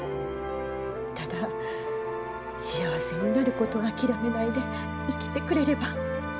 ただ幸せになることを諦めないで生きてくれれば。